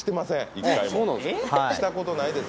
一回もしたことないです。